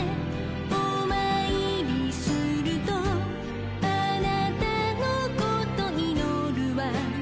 お参りするとあなたのこと祈るわ